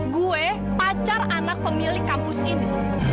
gue pacar anak pemilik kampus ini